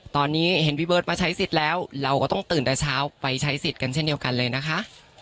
ตอนนี้เห็นพี่เบิร์ตมาใช้สิทธิ์แล้วเราก็ต้องตื่นแต่เช้าไปใช้สิทธิ์กันเช่นเดียวกันเลยนะคะ